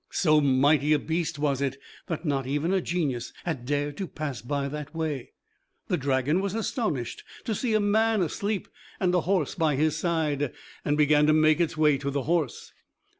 So mighty a beast was it, that not even a Genius had dared to pass by that way. The dragon was astonished to see a man asleep and a horse by his side, and began to make its way to the horse.